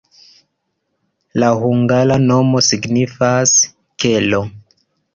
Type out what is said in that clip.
La hungara nomo signifas: kelo.